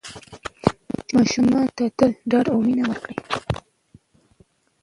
ماشومانو ته تل ډاډ او مینه ورکړئ.